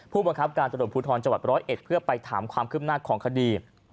ผู้บังคับการสะดวกภูทรจวัด๑๐๑เพื่อไปถามความขึ้นหน้าของคดี